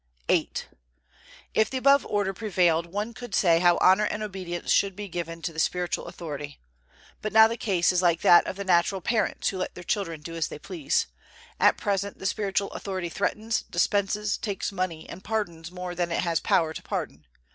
VIII. If the above order prevailed, one could say how honor and obedience should be given to the spiritual authority. But now the case is like that of the natural parents who let their children do as they please; at present the spiritual authority threatens, dispenses, takes money, and pardons more than it has power to pardon.